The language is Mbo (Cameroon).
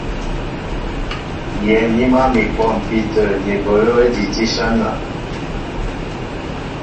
Yɛ̌n i mǎl mi a kwɔmpi tə̂ ni eboló ejí tí áshán nān.